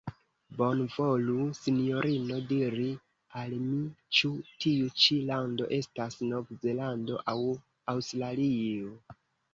Bonvolu, Sinjorino, diri al mi ĉu tiu ĉi lando estas Nov-Zelando aŭ Aŭstralio?.